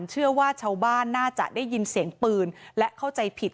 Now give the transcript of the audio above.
เชื่อว่าชาวบ้านน่าจะได้ยินเสียงปืนและเข้าใจผิด